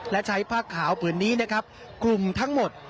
และใช้ผ้าขาวผืนนี้นะครับกลุ่มทั้งหมด